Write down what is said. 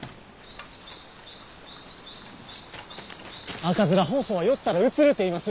赤面疱瘡は寄ったらうつるていいます。